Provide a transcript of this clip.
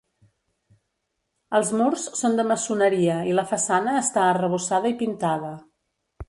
Els murs són de maçoneria i la façana està arrebossada i pintada.